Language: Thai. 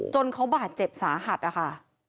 จนเขาบาดเจ็บสาหัสนะคะ